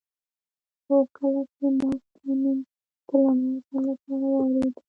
هو کله چې ما ستا نوم د لومړي ځل لپاره واورېده.